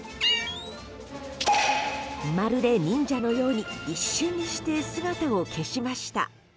まるで忍者のように一瞬にして姿を消しました。